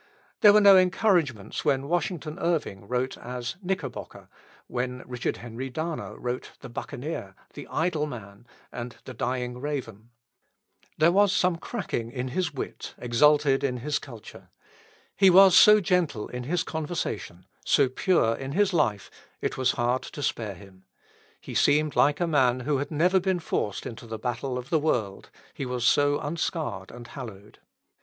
There were no encouragements when Washington Irving wrote as "Knickerbocker," when Richard Henry Dana wrote "The Buccaneer," "The Idle Man," and "The Dying Raven." There was something cracking in his wit, exalted in his culture. He was so gentle in his conversation, so pure in his life, it was hard to spare him. He seemed like a man who had never been forced into the battle of the world, he was so unscarred and hallowed.